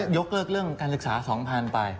ยกเลิกเรื่องการศึกษา๒๐๐๐ไป